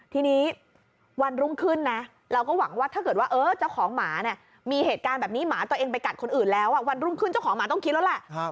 ทีนี้วันรุ่งขึ้นนะเราก็หวังว่าถ้าเกิดว่าเจ้าของหมาเนี่ยมีเหตุการณ์แบบนี้หมาตัวเองไปกัดคนอื่นแล้ววันรุ่งขึ้นเจ้าของหมาต้องคิดแล้วแหละ